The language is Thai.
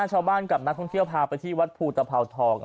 ชาวบ้านกับนักท่องเที่ยวพาไปที่วัดภูตภาวทอง